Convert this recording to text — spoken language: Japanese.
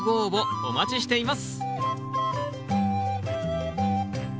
お待ちしています。